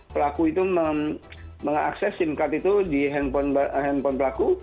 pelaku itu mengakses sim card itu di handphone pelaku